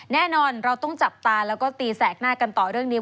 แน่นอนเราต้องจับตาแล้วก็ตีแสกหน้ากันต่อเรื่องนี้